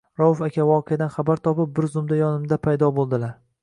Rauf aka voqeadan xabar topib, bir zumda yonimda paydo bo’ldilar.